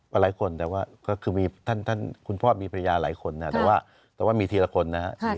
หลายคนแต่ว่าคือคุณพ่อมีพระยาหลายคนนะแต่ว่ามีทีละคนนะ